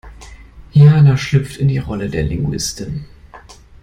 Jana schlüpft in die Rolle der Linguistin.